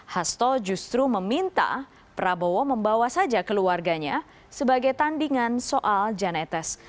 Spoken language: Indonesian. hasto justru meminta prabowo membawa saja keluarganya sebagai tandingan soal jan etes